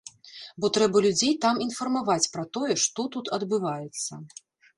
Бо трэба людзей там інфармаваць пра тое, што тут адбываецца.